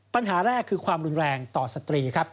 ปัญหาแรกคือความรุนแรงต่อสตรีครับ